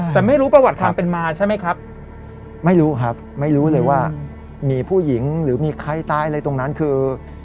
แต่ไม่รู้ประวัติความเป็นมาใช่ไหมครับไม่รู้ครับไม่รู้เลยว่ามีผู้หญิงหรือมีใครตายอะไรตรงนั้นคือ